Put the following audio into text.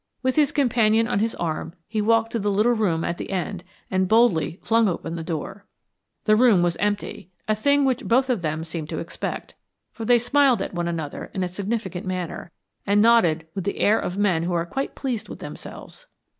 With his companion on his arm he walked to the little room at the end and boldly flung open the door. The room was empty, a thing which both of them seemed to expect, for they smiled at one another in a significant manner, and nodded with the air of men who are quite pleased with themselves.